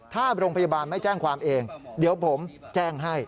ถ้าโรงพยาบาลไม่แจ้งความเองเดี๋ยวผมแจ้งให้